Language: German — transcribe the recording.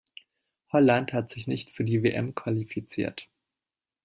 Holland hat sich nicht für die WM qualifiziert.